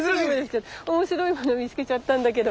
面白いもの見つけちゃったんだけど。